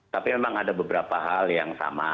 tapi memang ada beberapa hal yang sama